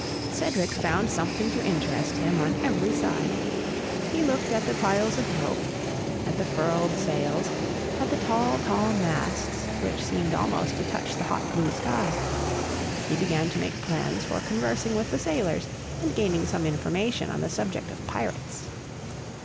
Cedric found something to interest him on every side; he looked at the piles of rope, at the furled sails, at the tall, tall masts which seemed almost to touch the hot blue sky; he began to make plans for conversing with the sailors and gaining some information on the subject of pirates.